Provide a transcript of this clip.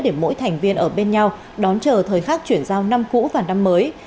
để mỗi thành viên ở bên nhau đón chờ thời khắc chuyển giao năm cũ và năm mới